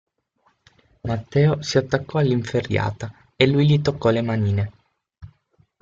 Matteo si attaccò all'inferriata e lui gli toccò le manine.